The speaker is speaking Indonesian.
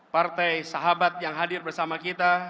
partai sahabat yang hadir bersama kita